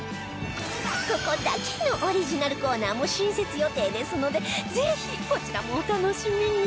ここだけのオリジナルコーナーも新設予定ですのでぜひこちらもお楽しみに！